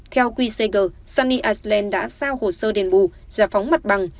theo quy sager sunny island đã sao hồ sơ đền bù giả phóng mặt bằng